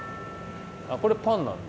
これパンなんだ？